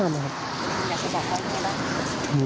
อยากกระจัดเขาอย่างนี้หรือ